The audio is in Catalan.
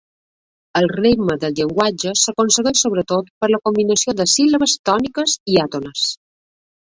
El ritme del llenguatge s'aconsegueix, sobretot, per la combinació de síl·labes tòniques i àtones.